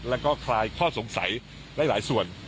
แล้วก็คลายข้อสงสัยหลายส่วน